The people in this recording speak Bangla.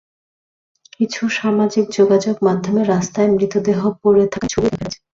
কিছু সামাজিক যোগাযোগ মাধ্যমে রাস্তায় মৃতদেহ পড়ে থাকার ছবিও দেখা গেছে।